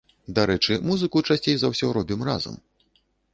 Дарэчы, музыку часцей за ўсё робім разам.